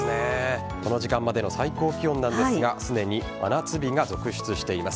この時間までの最高気温なんですがすでに真夏日が続出しています。